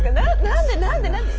⁉何で何で何で？